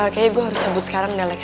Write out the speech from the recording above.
kayaknya gue harus cabut sekarang udah lex